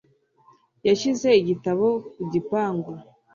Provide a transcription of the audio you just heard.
Yashyize igitabo ku gipangu.